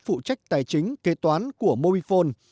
phụ trách tài chính kế toán của mobifone